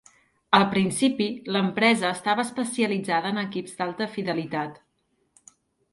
Al principi, l'empresa estava especialitzada en equips d'alta fidelitat.